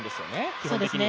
基本的には。